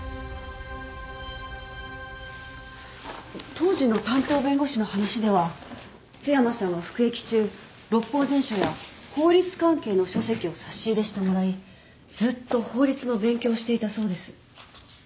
当時の担当弁護士の話では津山さんは服役中『六法全書』や法律関係の書籍を差し入れしてもらいずっと法律の勉強をしていたそうです。